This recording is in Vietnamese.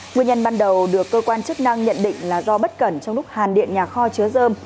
nguyên nhân ban đầu được cơ quan chức năng nhận định là do bất cẩn trong lúc hàn điện nhà kho chứa dơm